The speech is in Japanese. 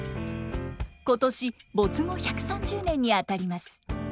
今年没後１３０年にあたります。